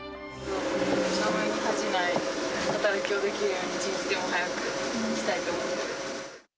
名前に恥じない働きをできるように、一日でも早くしたいと思っています。